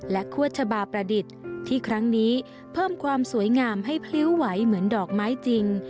คั่วชะบาประดิษฐ์ที่ครั้งนี้เพิ่มความสวยงามให้พลิ้วไหวเหมือนดอกไม้จริง